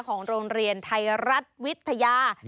ของโรงเรียนไทยรัฐวิทยา